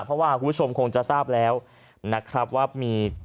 เพราะว่าคุณผู้ชมคงจะทราบแล้วนะครับว่ามี